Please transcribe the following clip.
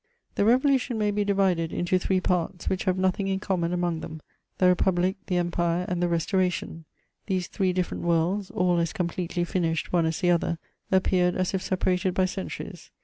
The Revolution may be divided into three parts, which have nothing in common among them: tiie Republic — the Empire — and the Restoration ; these three different worlds — all as completely finished, one as the other — appeared as if separated by centuries.